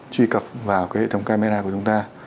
truy cập vào cái hệ thống camera của chúng ta